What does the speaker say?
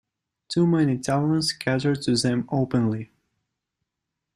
Too many taverns cater to them openly.